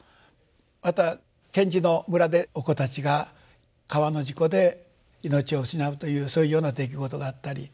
また賢治の村でお子たちが川の事故で命を失うというそういうような出来事があったり。